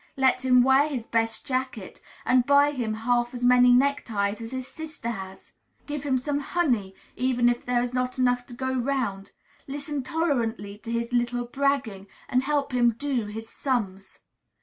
Let him wear his best jacket, and buy him half as many neckties as his sister has? Give him some honey, even if there is not enough to go round? Listen tolerantly to his little bragging, and help him "do" his sums?